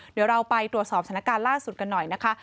เดี๋ยวเราไปตรวจสอบสถานการณ์ล่าสุดกันหน่อยนะคะ